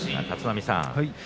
立浪さん